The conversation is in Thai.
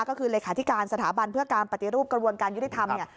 ก็คือเลขาธิการสถาบันเพื่อการปฏิรูปกระบวนการยุติธรรมเนี่ย